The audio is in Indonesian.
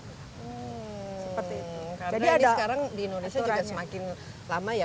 karena sekarang di indonesia juga semakin lama ya